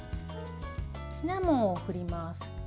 シナモンを振ります。